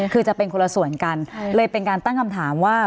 คือจะเป็นคนละส่วนกันเลยเป็นการตั้งคำถามว่า